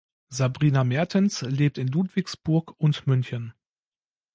Sabrina Mertens lebt in Ludwigsburg und München.